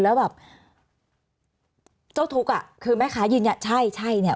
แล้วแบบเจ้าทุกข์คือไหมคะยืนอย่างใช่เนี่ย